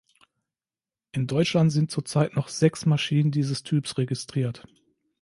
In Deutschland sind zurzeit noch sechs Maschinen dieses Typs registriert.